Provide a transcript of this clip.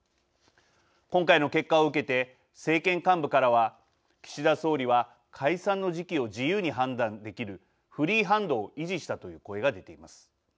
今回の結果を受けて政権幹部からは岸田総理は解散の時期を自由に判断できるフリーハンドを維持したという声が出ています。